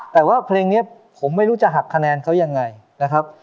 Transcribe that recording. แต่ว่าเพลงนี้ผมไม่รู้จะหักคะแนนเขายังไงนะครับ